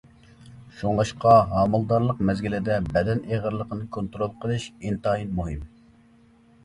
شۇڭلاشقا ھامىلىدارلىق مەزگىلىدە بەدەن ئېغىرلىقىنى كونترول قىلىش ئىنتايىن مۇھىم.